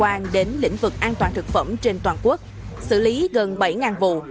quan đến lĩnh vực an toàn thực phẩm trên toàn quốc xử lý gần bảy vụ